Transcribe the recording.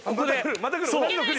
またくる。